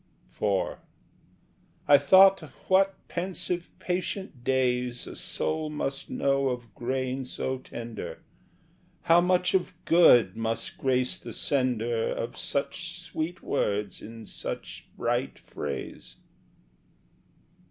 IV I thought what pensive patient days A soul must know of grain so tender, How much of good must grace the sender Of such sweet words in such bright phrase.